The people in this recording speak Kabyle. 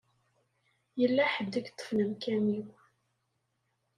Yella ḥedd i yeṭṭfen amkan-iw.